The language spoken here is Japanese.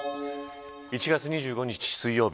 １月２５日水曜日